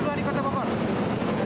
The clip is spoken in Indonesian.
silahkan pak kapolres